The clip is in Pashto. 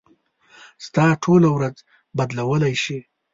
ستا ټوله ورځ بدلولی شي.